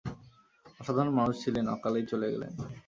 অসাধারণ মানুষ ছিলেন, অকালেই চলে গেলেন।